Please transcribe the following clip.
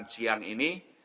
kesempatan siang ini